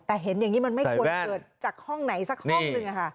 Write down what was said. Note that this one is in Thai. แต่เห็นอย่างนี้มันไม่ควรเกิดจากห้องไหนสักห้องนึง